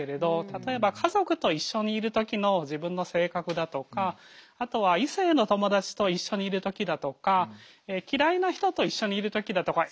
例えば家族と一緒にいる時の自分の性格だとかあとは異性の友達と一緒にいる時だとか嫌いな人と一緒にいる時だとか。